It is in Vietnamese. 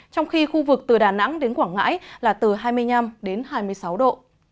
trong khi khu vực từ đà nẵng đến quảng ngãi là từ hai mươi năm đến hai mươi sáu độ